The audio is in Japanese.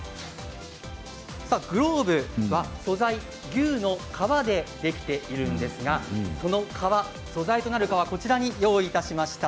グローブは素材牛の革でできているんですがその素材となる革をこちらに用意しました。